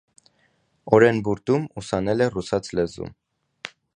Օրենբուրդում ուսանել է ռուսաց լեզու։